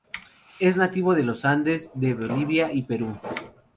Es nativo de los Andes de Bolivia y Perú.